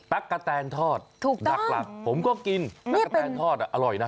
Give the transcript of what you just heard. กะแตนทอดหลักผมก็กินตั๊กกะแตนทอดอร่อยนะ